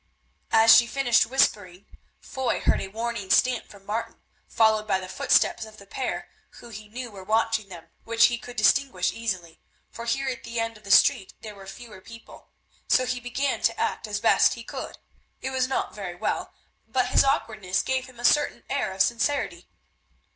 As she finished whispering Foy heard a warning stamp from Martin, followed by the footsteps of the pair who he knew were watching them, which he could distinguish easily, for here at the end of the street there were fewer people. So he began to act as best he could—it was not very well, but his awkwardness gave him a certain air of sincerity.